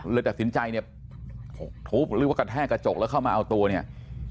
เลยตัดสินใจเนี่ยทุบหรือว่ากระแทกกระจกแล้วเข้ามาเอาตัวเนี่ย